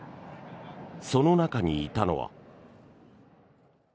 その中にいたのは。